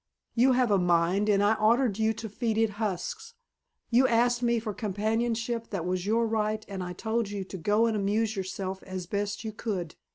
You have a mind and I ordered you to feed it husks. You asked me for the companionship that was your right and I told you to go and amuse yourself as best you could.